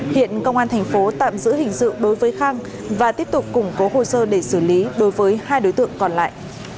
hiện công an tp tạm giữ hình dự đối với khang và tiếp tục củng cố hồ sơ để xử lý đối với hai đối tượng còn lại